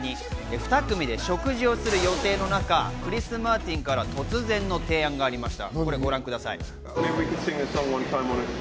２組で食事をする予定の中クリス・マーティンから突然の提案がありました。